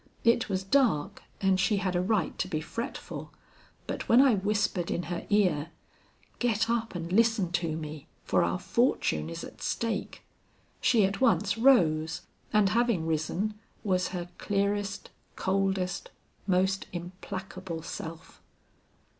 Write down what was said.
It was dark and she had a right to be fretful, but when I whispered in her ear, 'Get up and listen to me, for our fortune is at stake,' she at once rose and having risen, was her clearest, coldest, most implacable self.